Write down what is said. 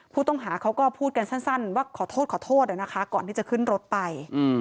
ผู้ต้องหาเขาก็พูดกันสั้นว่าขอโทษขอโทษนะคะก่อนที่จะขึ้นรถไป